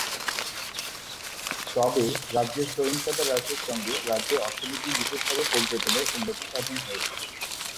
তবে, রাজ্যের সহিংসতা হ্রাসের সঙ্গে রাজ্যের অর্থনীতি বিশেষভাবে পর্যটনের উন্নতি সাধন হয়েছে।